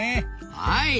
はい。